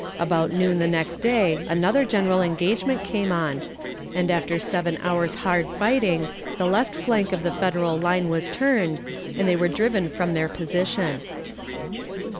About noon the next day another general engagement came on, and after seven hours hard fighting the left flank of the Federal line was turned, and they were driven from their position.